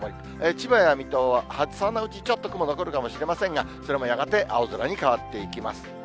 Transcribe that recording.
千葉や水戸は朝のうち、ちょっと雲が残るかもしれませんが、それもやがて青空に変わっていきます。